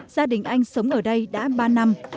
gia đình anh sống ở đây đã ba năm